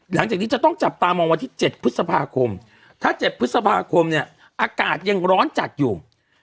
หลังจากนี้จะต้องจับตามองวันที่๗พฤษภาคมถ้า๗พฤษภาคมเนี่ยอากาศยังร้อนจัดอยู่